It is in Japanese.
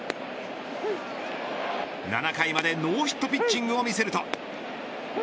７回までノーヒットピッチングを見せると。